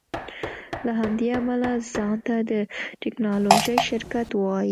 له همدې امله ځان ته د ټیکنالوژۍ شرکت وایې